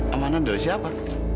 amanah dari siapa